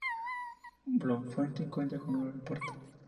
Bloemfontein cuenta con un aeropuerto.